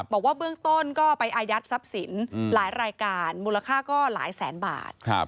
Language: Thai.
บอกว่าเบื้องต้นก็ไปอายัดทรัพย์สินหลายรายการมูลค่าก็หลายแสนบาท